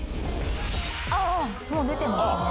あっもう出てますね。